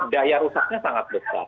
daya rusaknya sangat besar